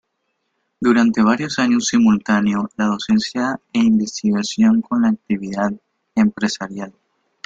Durante varios años simultaneó la docencia e investigación con la actividad empresarial.